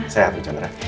sehat bu chandra